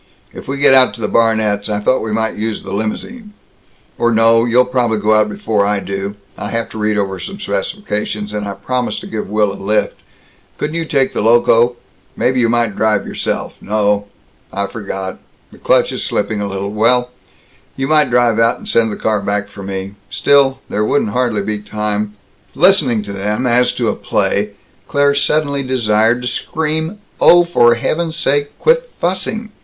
If we get out to the Barnetts', I thought we might use the limousine Or no, you'll probably go out before I do, I have to read over some specifications, and I promised to give Will a lift, couldn't you take the Loco, maybe you might drive yourself, no, I forgot, the clutch is slipping a little, well, you might drive out and send the car back for me still, there wouldn't hardly be time " Listening to them as to a play, Claire suddenly desired to scream, "Oh, for heaven's sake quit fussing!